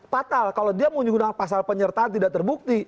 fatal kalau dia menggunakan pasal penyertaan tidak terbukti